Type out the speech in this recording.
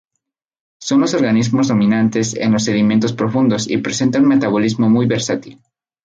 Son los organismos dominantes en los sedimentos profundos y presenta un metabolismo muy versátil.